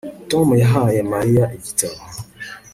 Tom yahaye Mariya igitabo